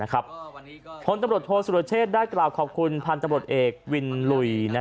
ผลตำรวจโทษสุรเชษฐ์ได้กล่าวขอบคุณพันธบรวจเอกวินลุย